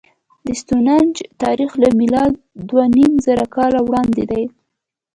د ستونهنج تاریخ له میلاده دوهنیمزره کاله وړاندې دی.